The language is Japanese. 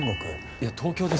いや東京です。